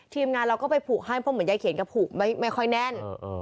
ทีมงานเราก็ไปผูกให้เพราะเหมือนยายเขียนแกผูกไม่ค่อยแน่น